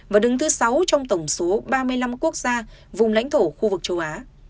và đứng thứ sáu trong tổng số ba mươi năm quốc gia vùng lãnh thổ khu vực châu á